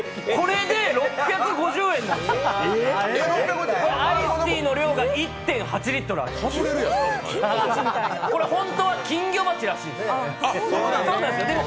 これで６５０円なんですよ。